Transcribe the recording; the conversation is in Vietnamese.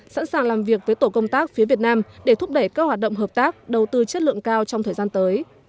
sẵn sàng làm việc với tổ công tác phía việt nam để thúc đẩy các hoạt động hợp tác đầu tư chất lượng cao trong thời gian tới